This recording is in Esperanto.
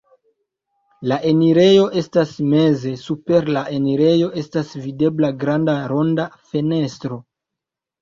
La enirejo estas meze, super la enirejo estas videbla granda ronda fenestro.